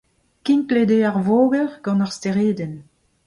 Kinklet eo ar voger gant ur steredenn.